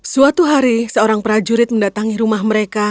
suatu hari seorang prajurit mendatangi rumah mereka